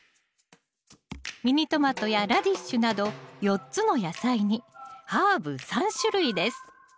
ミニトマトやラディッシュなど４つの野菜にハーブ３種類です